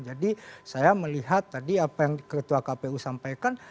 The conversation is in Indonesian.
jadi saya melihat tadi apa yang ketua kpu sampaikan